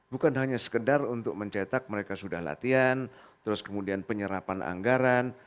bukan hanya sekedar untuk mencetak mereka sudah latihan terus kemudian penyerapan anggaran